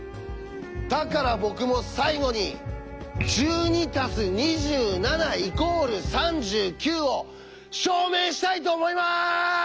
だから僕も最後に「１２＋２７＝３９」を証明したいと思います！